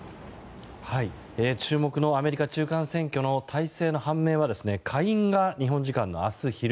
注目のアメリカ中間選挙の大勢の判明は下院が日本時間の明日昼。